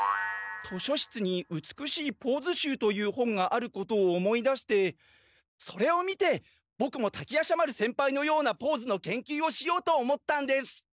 図書室に「美しいポーズ集」という本があることを思い出してそれを見てボクも滝夜叉丸先輩のようなポーズのけんきゅうをしようと思ったんです。